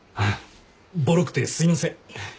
ボロくてすいません。